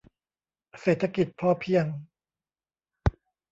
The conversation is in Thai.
เศรษฐกิจพอเพียง